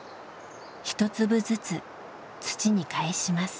１粒ずつ土にかえします。